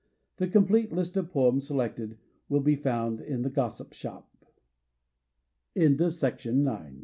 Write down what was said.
The complete list of poems selected will be found in the Gossip Shop, AMERICA AND T